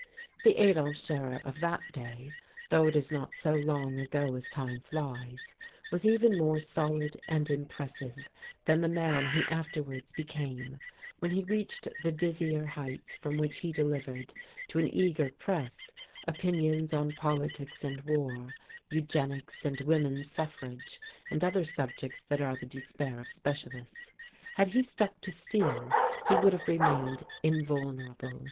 The Adolf Scherer of that day though it is not so long ago as time flies was even more solid and impressive than the man he afterwards became, when he reached the dizzier heights from which he delivered to an eager press opinions on politics and war, eugenics and woman's suffrage and other subjects that are the despair of specialists. Had he stuck to steel, he would have remained invulnerable.